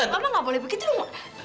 tante mama gak boleh begitu loh